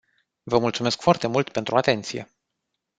Vă mulțumesc foarte mult pentru atenție.